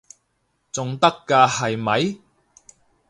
仲得㗎係咪？